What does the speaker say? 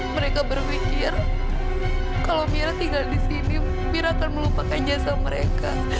mereka berpikir kalau mira tinggal di sini mira akan melupakan jasa mereka